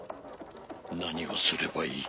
何をすればいい？